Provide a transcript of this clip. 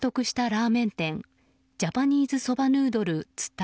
一つ星を獲得したラーメン店ジャパニーズソバヌードル蔦。